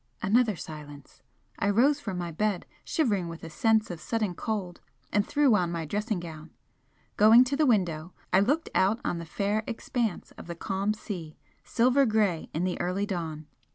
Another silence. I rose from my bed, shivering with a sense of sudden cold, and threw on my dressing gown. Going to the window, I looked out on the fair expanse of the calm sea, silver grey in the early dawn.